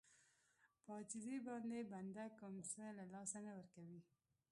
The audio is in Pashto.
په عاجزي باندې بنده کوم څه له لاسه نه ورکوي.